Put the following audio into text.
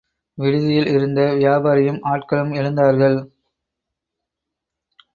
விடுதியில் இருந்த வியாபாரியும் ஆட்களும் எழுந்தார்கள்.